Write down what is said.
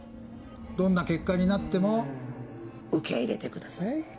どんな結果になっても受け入れてください。